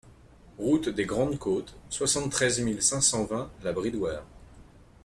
Route des Grandes Côtes, soixante-treize mille cinq cent vingt La Bridoire